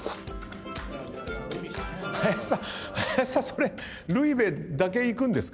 林さん林さんそれルイベだけいくんですか？